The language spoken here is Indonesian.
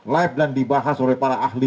live dan dibahas oleh para ahli